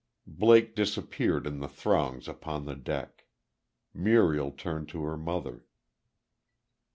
Blake disappeared in the throngs upon the deck. Muriel turned to her mother.